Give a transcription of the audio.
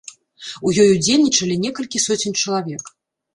У ёй удзельнічалі некалькі соцень чалавек.